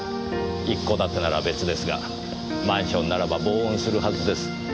一戸建てなら別ですがマンションならば防音するはずです。